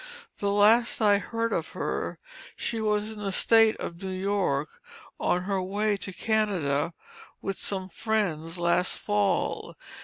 The last I heard of her, she was in the State of New York, on her way to Canada with some friends, last fall.